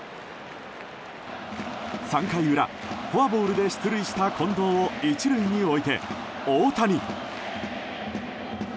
３回裏、フォアボールで出塁した近藤を１塁に置いて大谷。